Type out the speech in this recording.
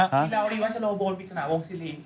มายดาวิวัชโลโบนปริศนาวงศิริ